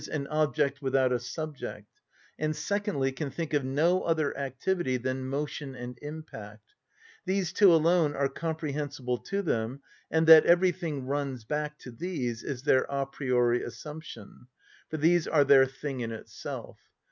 _, an object without a subject; and secondly can think of no other activity than motion and impact: these two alone are comprehensible to them, and that everything runs back to these is their a priori assumption; for these are their thing in itself.